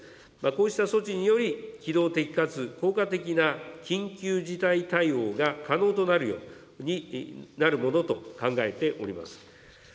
こうした措置により、機動的かつ効果的な緊急事態対応が可能となるものと考えています。